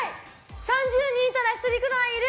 ３０人いたら１人くらいいる。